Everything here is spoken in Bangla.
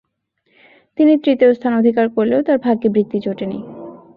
তিনি তৃতীয় স্থান অধিকার করলেও তাঁর ভাগ্যে বৃত্তি জোটেনি।